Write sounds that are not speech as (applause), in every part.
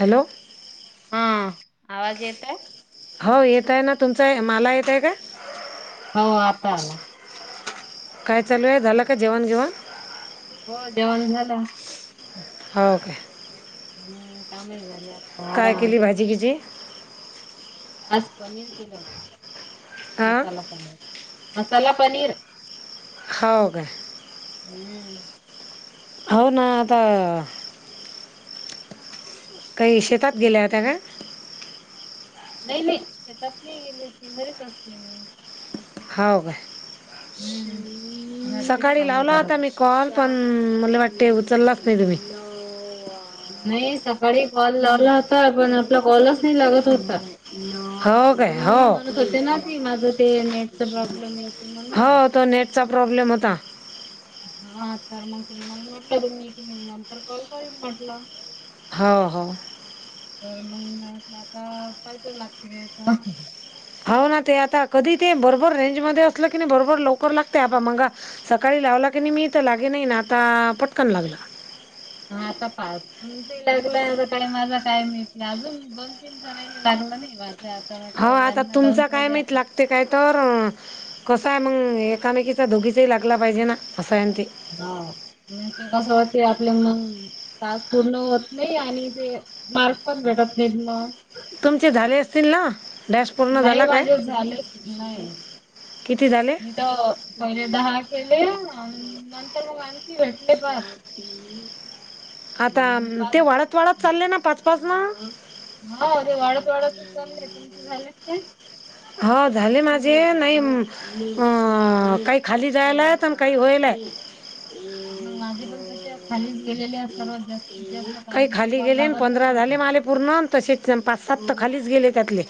Hello हा आवाज येतोय? हो येतोय ना तुमचा मला येतोय हो आता आला काय चालू आहे झालं का जेवण जेवण हो जेवण झाला. हो का! हम्म कामही झालं. काय केली भाजी किची आज पनीर किलो हां मसाला पनीर. मसाला पनीर. होव का! हम्म! हौ नाता! काही शेतात गेल्या होत्या काय, नाही नाही शेतात नाही गेली ते घरीच असते मी, हो का! हम्म घरचीच सकाळी कामं लावला करत होता मी कॉल. पण मला वाटते उचललाच नाही तुम्ही. नाही सकाळी कॉल लावला होता. पण आपला कॉलच नाही लागत होता. हो काय मी हो म्हणत होते ना की माझं ते नेटच प्रॉब्लेम येते म्हणून त्याचा प्रॉब्लेम होता हा तर मग त मला म्हटलं दोन् एक म नंतर कॉल करीन म्हटलं. हो हो. तर मग आता पायज लागते ग तर, हो ना ते आता कधी ते बरोबर रेंज मध्ये असलं की नाही बरोबर लवकर लागते आप मगा सकाळी लावला की नाही मी तर लागे नाही ना आता पटकन लागला. आता पा लागला का माझा काय मि अजून दोन तीन जण (unintelligible) नाही वा (unintelligible) हो आता तुमच काय माहित लागते काय तर, कसं आहे मग एकामेकीचा धोगीचाही लागला पाहिजे ना. असं आहे न ते हा हम्! तेस ते आपल्या तास पूर्ण होत नाही आणि ते मार्ग पण भेटत नाही. ह. तुमचे झाले असतील ना? डॅश पूर्ण नाही झाला काय माझे झालेच नाही. किती झाले मी तर पहिले दहा केले नंतर मग, भेटले पाच आता अन् पाच ते वाढत वाढत चालले ना पाच पाच ना. हो ते वाढत वाढत चालले तुमचे झालेत काय. हो झाले माझे नाही काही खाली जायलाय प काही हो्हायलय. ह (unintelligible) मग माझे पण तसे खालीच गेलेले आहेत सर्वात जास्तीत जास्त कारण की कॉल लागतच नव्हता. आले पूर्ण तसेच पाच सात तर खालीच गेले त्यातले,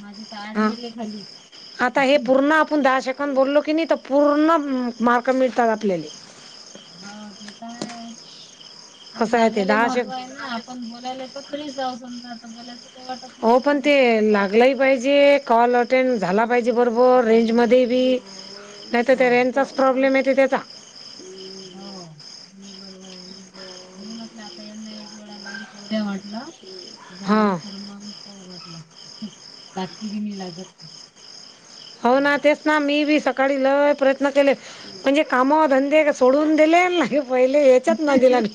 माझी ताड हां गेले खाली आता हे पूर्ण आपणं जा शक आपण बोललो की नाही तर पूर्ण मार्क मिळतातं आपल्याले. हो ते तर आहे. पण असं आहे ते लागायला दहा सेक महत्व आहे ना आपणं बोलायला तर त जाऊ समजा आता बोलायचं काही वाटत हो नाही पण ते फोन तर लागलंही पाहिजे, कॉल अटेंड झाला पाहिजे बरोबर रेंज झाला मध्ये पाहिजे बी. नाही तर हो ते रेंजचाच प्रॉब्लेम येतंय. हो! बरोबर आहे, मी म्हटलं आता यांना एक वेळा लावून पाहु द्या म्हटलं. हां त्यानंतर मग उघासला लागली की म लागत हो ना तेच ना मी बी सक सकाळी लय प्रयत्न केले म्हणजे काम धंदे सोडून दिले नाही. पहिले याच्याय नादी लागले.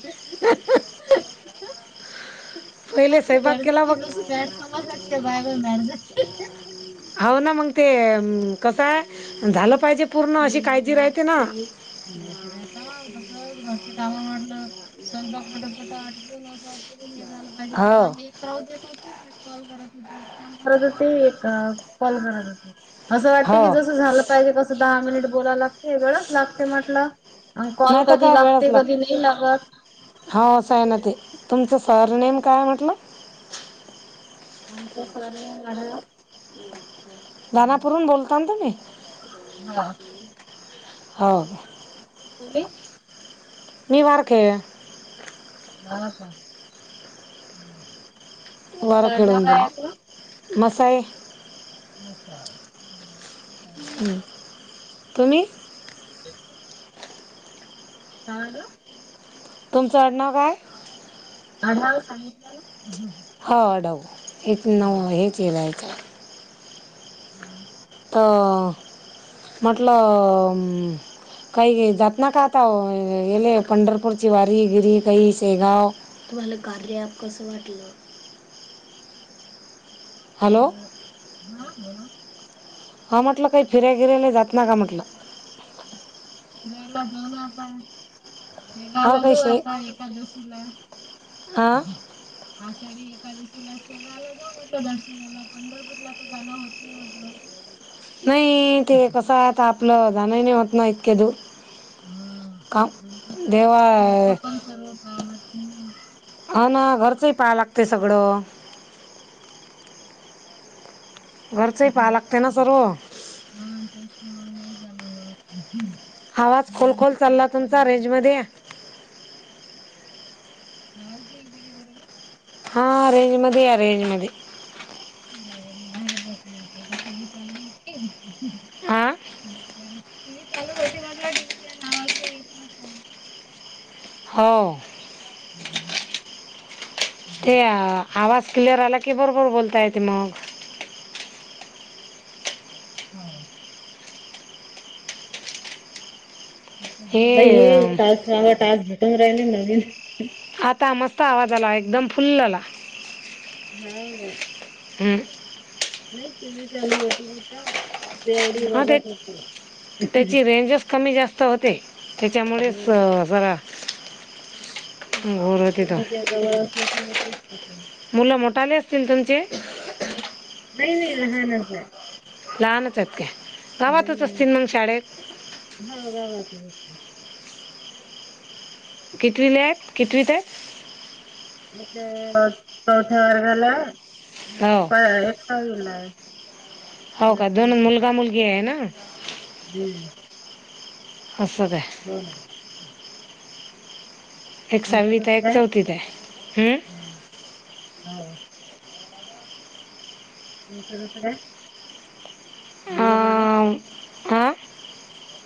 पहिले आमच्या स्वयंपाक घरचे केला बी बघ, जशी मॅड समजला की बाय बाय मॅड झाली. हो ना मंग. ते कसंय, झालं पाहिजे पूर्ण अशी काळजी राहते ना. नाहीतर काय तसंच घरचे काम असं स्वयंपाक पटापटा आठपुन असं हे झालं पाहिजे ते हो काम एक राहु देत होते एक कॉल करतं होते एक काम करतं होते एक, कॉल करत होते. असं वाटते की हो जसं झालं पाहिजे कसं दहा मिनिटं बोलायला लागते वेळंच लागतोय म्हटलं? कॉल नाहीत कधी काय वेळच कधी लागते, नाही लागत हो आसयना ते तुमचं सर असं नेम आहे. काय म्हंटला? आमचं सरनेम आडनाव दानापुरून बोलता ना तुम्हीं? हा हो तरी निबार खेळला हो का, तुमचं आडनाव काय ये म्हंटल? मसाये मसाले, बर तुम्ही (unintelligible) काय म्हंटला? तुमचं आडनाव काय? आडाऊ सांगितलं हा आडाऊ, एक न हा. हे केलंय का हम् अ म्हंटल काही जातं नाही का आता गेले पंढरपूरची वारीबिरी काही शेळगाव- तुम्हाला कार्य ऍप कसं वाटलं? अ हा बोला. हा म्हटलं काही फिराय बिरायला जातं नाय का म्हटलं? गेलो जाऊन ना आता. शेळगाव हा ला काही जाऊ शे आता एकादशीला. हा आषाढी एकादशीला, शेळगावला जाऊ म्हटलं दर्शनाला पंढरपूरला तर जाणं होत नाही म्हटलं. नाही, ते कसं ते आपलं जाणं ही नाही होतं ना इतके दूर. हम काम पण कसं देवा घरचं सर्व काम असतं ना. हा ना घरचंही पाहाय लागतेय सगळं. घरचंही पाहा लागते ना सर्व (unintelligible) (inaudible) आवाज खोलखोल मुलांची चालला शाळा पण तुमचा आहे तशी. रेंजमध्ये या. आवाज तर एते का बरोबर. हां, ररेंज मध्ये या., रेंज मध्ये. म बाहेर बसणार तर टी व्ही चालू होते? आं, टीव्ही चालू होती म्हटलं, टीवही नावाजलं येत ना नाऽ हो, हम्म, ते आवाज क्लिअर आला की बरोबर बोलता येत मग. हो ला हे तास, सवा तास भेटून राहिल नवीन आता मस्त आवाज आला एकदम फुल्ल आला. हा ना. हम नाही टिवी चालू होत नव्हता. हा तेच, त्याची रेंजच कमी जास्त होते. त्याच्यामुळेच हा ते जरा टीव्हीच्या जवळ असलं की मग तेच बघणार. मुलं मोठ टाले असतील तुमचे नाही, नाही लहान च य लहानच आहेत काय? गावातच असतील हम्म मग शाळेत हो गावातच असते. कितवीला एत कितवीत एत एक चौथ्या वर्गाला हो आहे, एक सहावीला आहे ह, हो का? दोन मुलगा मुलगी आहे ना. हम्म असुदे ऽ दोन आहे तुमचं सहावीत तस आहे एक काय? चौथीत आहे हं? हम्, हो. मुलं बाळं. आ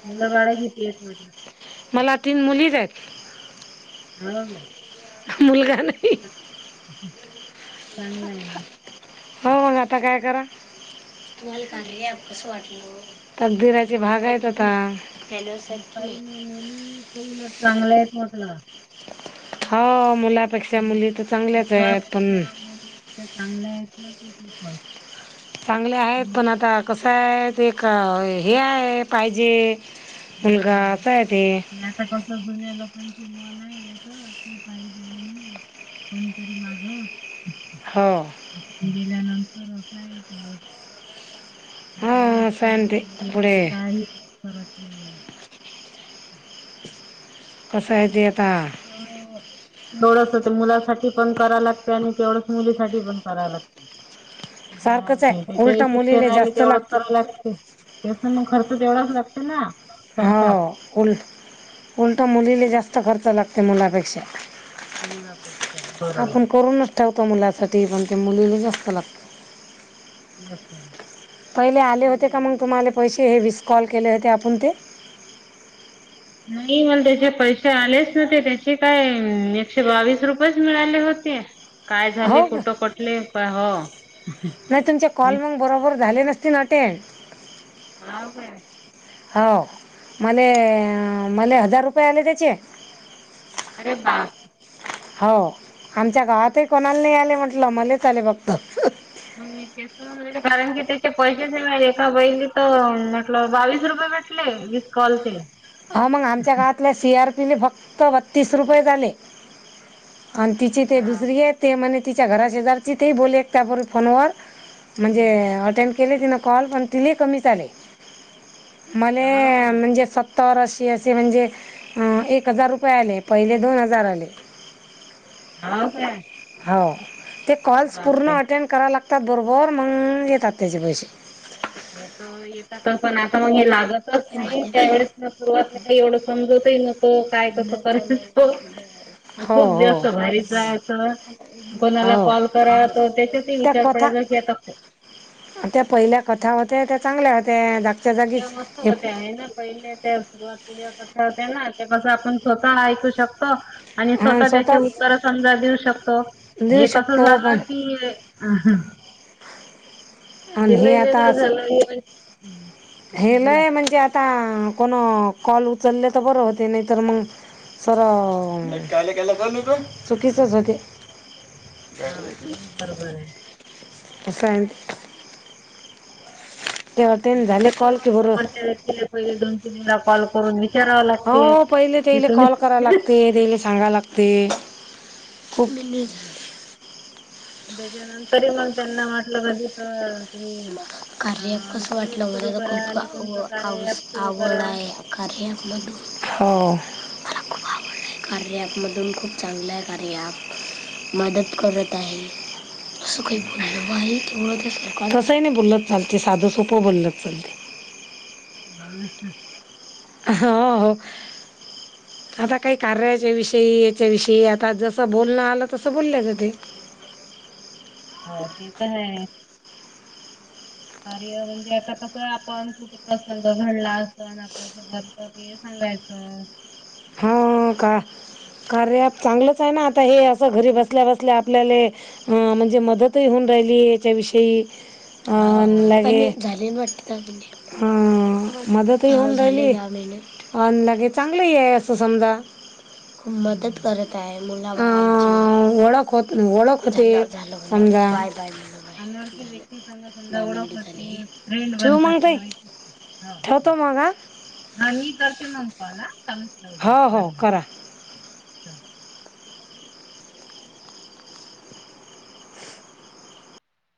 मुलं बाळं किती एत म्हटलं? मला तीन मुली च आहेत हो ना मुलगा नाइ चांगलं आहे हो मग आता काय करा तुम्हाला कार्य ॲप कसं वाटलं तर दिराहियचे भागा येत आता. काही नाही मुली,, तर उलट चांगले आहेतेत म्हटलं. होऽ मुला, पण मुली इतक्या चांगल्या आहेत ना,, ते. खूपचऽ चांगले आहेत, पण आता कसं आहे, एक हे आहे पाहिजेऽ मुलगा हम्म असय तेऽ ते आता कसं जुन्या मन आहे, जस की पाहिजे, म्हणून कोणीतरी मागऽ हो, गेल्यानंतर असा आहे तऽ काही हां असं नसते आहे ना ते मुलगा, पुढे मुलगी काही परतऽ नाही. कसय देतऽ हो, तेवढस ते मुलासाठी पण कराव लागते, आणि तेवढंच मुलीसाठी पण कराव लागते. जे हाय सारखंच ते, आहे जे उलटा शिक्षण मुलीले नाले जास्त तेवढंच लागते करा लागतेऽ तेस मग खर्च तेवढाच लागते ना. हो सरकार उल उलट मुलीला जास्त खर्च लागते मुलापेक्षा मुलापेक्षा बरोबर त मुलासाठी पण ते मुलीला जास्तं लागतं अछा पहिले आले होते का मग तुम्हाला पैसे हे विसकॉल केले होते आपण ते नाही मला त्याचे पैसे आलेच नते त्याचे काय एकशे बावीस रुपयेच मिळाले होते काय झाली हो का कुठं पटले काय हो नाही तुमचे कॉल मग बरोबर झाले नसतील अटेंड ह का हो मला मला हजार रुपये आले त्याचे अरे बा हो आमच्या गावातही कोणाला नाही आले म्हटलं मलाच आले फक्त ते कारण की त्याचे पैसेच ए पहिली तर म्हटलं बावीस रुपये कॉल चे हा मग आमच्या गवातल्या सी आर पीने फक्त बत्तीस रुपये झाले आणि तिची ते बापरे दुसरी आहे ते म्हज तिच्या घराशेजारची ते बोलले एक त्यापूर्वी फोनवर म्हणजे अटेंड केले तिनं कॉल पण तिला कमी चाले. हाव मला काय म्हणजे. स तररा अशी असे म्हणजे एक हजार रुपये आले पहिले दोन हजार आले. (unintelligible) हा का. हो ते कॉल्स पूर्ण अटेंड करा लागतात बरोबर मग येतात त्याचे पैसे हे तर येतात पण आता मग हे लागतच नाही त्यावेळेस सुरवात काही एवढं समजवतही नतो काय कसं केयच हो खूप हो जास्त भ कोणाला हो कॉल करा त्याच्यात त्या विचार कथा पडय घ त्या पहिल्या कथा होत्या त्या चांगल्या होत्या. त्या जागीच मस्त हे होते्या आहे ना प अर सुरुवात. क होत ना ते कस आपण स्वतः ऐकू शकतो. आणि हं, स्वतः त्याचे स्वतःच उत्तर समजा देऊ शकतो देऊ हे कसं शकतो पण झालं की. ह हा. आणि गिला वेगळं झाला. हेलय म्हणजे आता कोण कॉल उचलले तर बरं होते नाहीतर मग स चुकीच हा न बरोबर आहे. अससाा कॉल की त्याच्यात बरं समरच्या पहिले दोन तीन वेळा कॉल करून विचारावं हो लागते पहिले की तेले तुम्ही कॉल कराय लागते ते सांगाय लागते ते ख त्याच्यानंतरही मग त्यांना म्हटलं पाजे कार्य कसं वाटलं सुरू मला करा खूप आणि तुमचं कार्य ॲप सुरू आवड करा आहे कार हो ख खू आगोल नाही कर पमधून खूप चांगलं आहे कार्य मदत करत आहे असं काही ब आहेळ कसंही नाही बोललत चालते साधं सोपं बोललत चालते हो हो आता काही कारच्या विषयी याच्या विषयी आता जसं बोलणं आलं तसं बोलल्या जाते (unintelligible) ह ते तर ह (inaudible) अ म्हणजे आता कसं आपण कुठ प्रसंग घडला अस आपल्यासोबत तर ते सांगायच अप हा का कार्या चांगलंच आहे ना आता हे असं घरी बसल्या-बसल्या आपल्याला ए म्हणजे अं मदतही होऊन राहिलीये हेचा विषयी अ हो आपले लगेच हा मदतही होऊन राहिली आ लगे चांगली आहे असं असं समजा मदत हम्म. करत आहे म्हणू हां ओळख हो ओळखते समजा. अनोळखी व्यक्ती संग समजा ओळख होते, (unintelligible) हा ठेवतो मग हो मी करते. (unintelligible) होत जा हा हो हो पाले आ करा चल